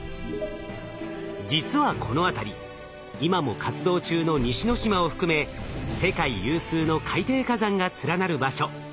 実はこの辺り今も活動中の西之島を含め世界有数の海底火山が連なる場所。